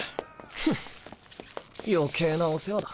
ふんっ余計なお世話だ。